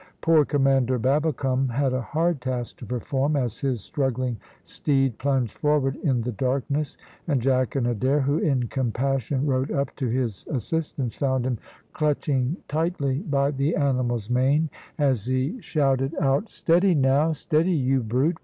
Poor Commander Babbicome had a hard task to perform, as his struggling steed plunged forward in the darkness; and Jack and Adair, who in compassion rode up to his assistance, found him clutching tightly by the animal's mane, as he shouted out "Steady, now steady, you brute!